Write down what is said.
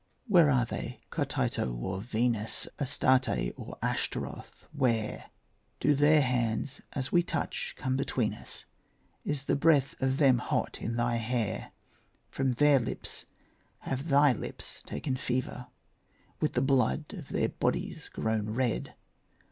Where are they, Cotytto or Venus, Astarte or Ashtaroth, where? Do their hands as we touch come between us? Is the breath of them hot in thy hair? From their lips have thy lips taken fever, With the blood of their bodies grown red?